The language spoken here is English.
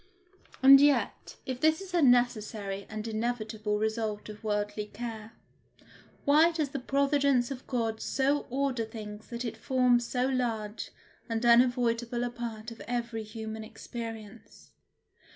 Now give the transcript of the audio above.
And yet, if this is a necessary and inevitable result of worldly care, why does the providence of God so order things that it forms so large and unavoidable a part of every human experience?